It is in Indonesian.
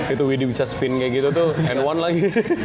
itu widi bisa spin kayak gitu tuh and one lagi